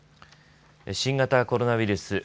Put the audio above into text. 新型コロナウイルス。